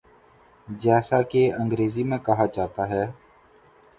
جیسا کہ انگریزی میں کہا جاتا ہے۔